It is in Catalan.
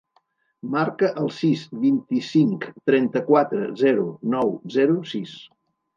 Marca el sis, vint-i-cinc, trenta-quatre, zero, nou, zero, sis.